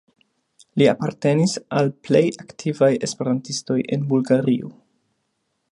Li apartenis al plej aktivaj esperantistoj en Bulgario.